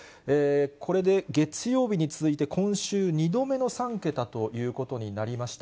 これで月曜日に続いて、今週２度目の３桁ということになりました。